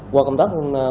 qua công tác công an